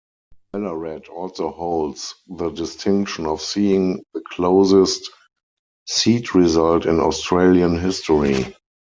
Ballarat also holds the distinction of seeing the closest seat result in Australian history.